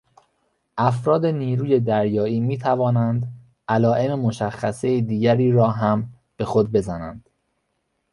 افراد نیروی دریایی میتوانند علایم مشخصهی دیگری را هم به خود بزنند.